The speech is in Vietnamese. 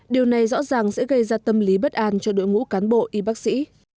điều này rõ ràng sẽ gây ra tâm lý bất an cho đội ngũ cán bộ y bác sĩ